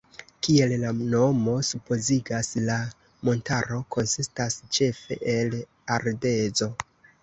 Kiel la nomo supozigas, la montaro konsistas ĉefe el ardezo.